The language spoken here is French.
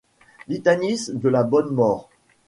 Litanies de la bonne mort.